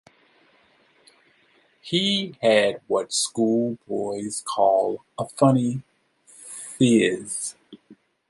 He had what school boys call a funny phiz.